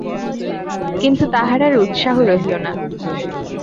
কিন্তু তাহার আর উৎসাহ রহিল না।